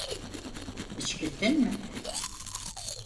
Hiç gittin mi?